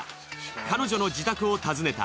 彼女の自宅を訪ねた。